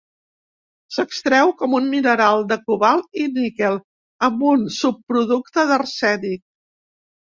S'extreu com un mineral de cobalt i níquel amb un subproducte d'arsènic.